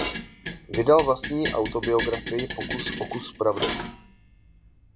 Vydal vlastní autobiografii "Pokus o kus pravdy".